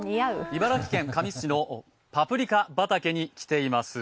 茨城県神栖市のパプリカ畑に来ています。